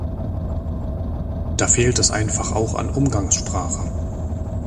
Da fehlt es einfach auch an Umgangssprache.